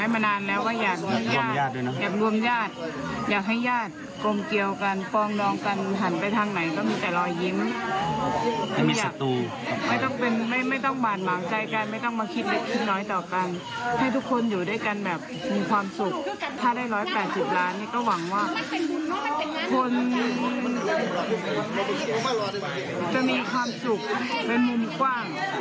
แบบมีความสุขถ้าได้ร้อยแปดสิบล้านเนี้ยก็หวังว่ามันจะมีความสุขเป็นมุมกว้าง